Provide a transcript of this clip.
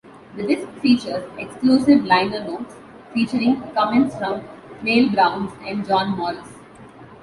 The disc features exclusive liner notes featuring comments from Mel Brooks and John Morris.